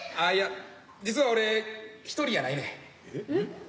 ああいや実は俺一人やないねん。